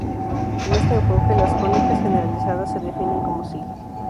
Con este enfoque, las cónicas generalizadas se definen como sigue.